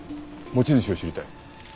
持ち主を知りたい。